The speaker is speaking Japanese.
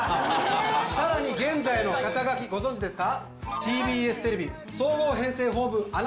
さらに現在の肩書ご存じですか？